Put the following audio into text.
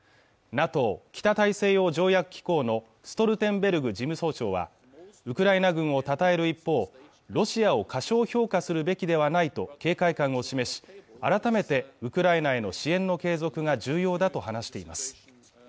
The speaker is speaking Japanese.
ＮＡＴＯ＝北大西洋条約機構のストルテンベルグ事務総長はウクライナ軍をたたえる一方ロシアを過小評価するべきではないと警戒感を示し改めてウクライナへの支援の継続が重要だと話しています